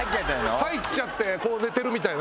入っちゃってこう寝てるみたいな。